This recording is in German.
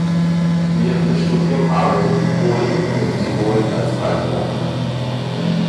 Während des Studiums arbeitete Khol in Tirol als Reiseleiter.